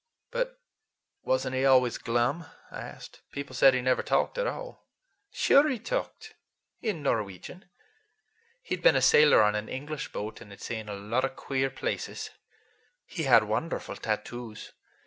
"But was n't he always glum?" I asked. "People said he never talked at all." "Sure he talked, in Norwegian. He'd been a sailor on an English boat and had seen lots of queer places. He had wonderful tattoos.